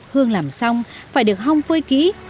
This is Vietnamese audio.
hương làm xong phải được hong phơi kỹ